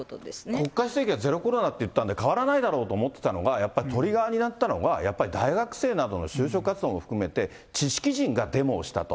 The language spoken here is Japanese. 国家主席がゼロコロナっていったんで、変わらないだろうと思ってたのが、やっぱトリガーになったのが、大学生などの就職活動も含めて、知識人がデモをしたと。